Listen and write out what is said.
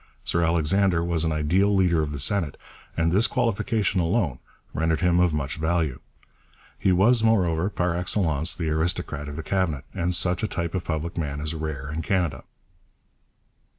Sir Alexander was an ideal leader of the Senate, and this qualification alone rendered him of much value. He was, moreover, par excellence the aristocrat of the Cabinet, and such a type of public man is rare in Canada.